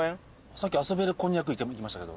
さっき遊べるこんにゃく行きましたけど。